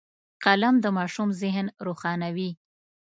قلم د ماشوم ذهن روښانوي